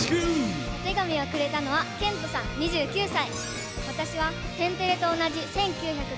お手紙をくれたのはけんとさん２９歳。